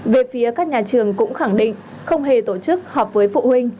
về phía các nhà trường cũng khẳng định không hề tổ chức họp với phụ huynh